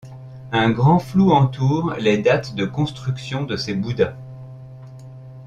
Un grand flou entoure les dates de construction de ces bouddhas.